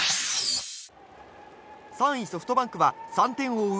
３位、ソフトバンクは３点を追う